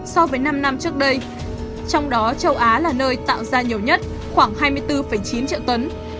so với năm năm trước đây trong đó châu á là nơi tạo ra nhiều nhất khoảng hai mươi bốn chín triệu tấn